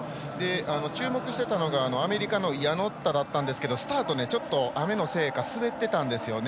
注目していたのがアメリカのイアノッタでしたがスタート、ちょっと雨のせいか滑ってたんですよね。